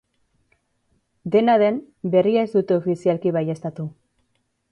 Dena den, berria ez dute ofizialki baieztatu.